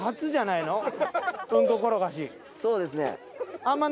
そうですね。